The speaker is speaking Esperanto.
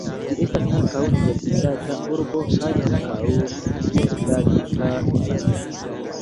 Ĝi estas ankaŭ universitata urbo kaj ankaŭ soldata bazo.